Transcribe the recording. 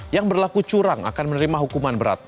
yang berlaku curang akan menerima hukuman berat